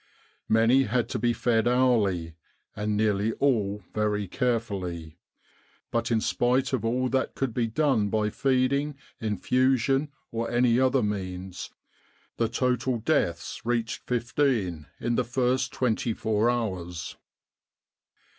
Many had to be fed hourly, and nearly all very carefully; but in spite of all that could be done by feeding, infusion, or any other means, the total deaths reached fifteen in the first twenty four hours.